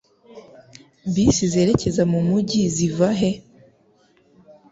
Bisi zerekeza mu mujyi ziva he?